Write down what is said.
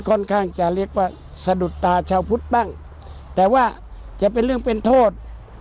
ค่อนข้างจะเรียกว่าสะดุดตาชาวพุทธบ้างแต่ว่าจะเป็นเรื่องเป็นโทษ